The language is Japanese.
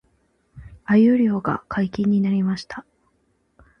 鮎漁が解禁になりました